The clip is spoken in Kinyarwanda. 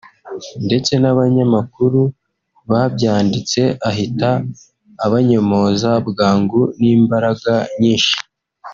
ndetse n’abanyamakuru babyanditse ahita abanyomoza bwangu n’imbaraga nyinshi